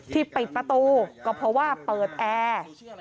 ปิดประตูก็เพราะว่าเปิดแอร์